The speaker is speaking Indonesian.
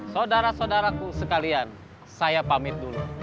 saudara saudaraku sekalian saya pamit dulu